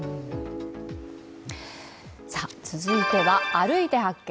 続いては「歩いて発見！